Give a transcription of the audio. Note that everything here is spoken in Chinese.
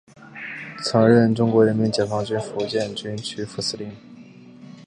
曾任中国人民解放军福建军区副司令员。